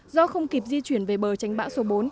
do không kịp di chuyển về bờ tránh bão số bốn